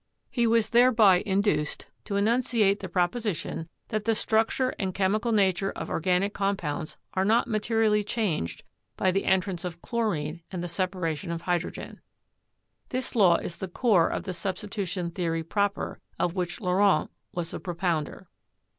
He was thereby induced to enunciate the proposition that the structure and chemical nature of organic compounds are not materially changed by the entrance of chlorine and the separation of hydrogen. This law is the core of the substitution theory proper, of which Laurent was the propounder.